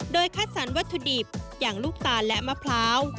โดยคัดสรรวัตถุดิบอย่างลูกตาลและมะพร้าว